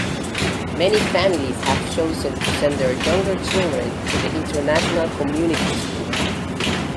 Many families have chosen to send their younger children to the International Community School.